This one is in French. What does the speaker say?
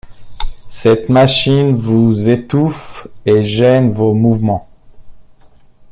Cette machine vous étouffe et gêne vos mouvements!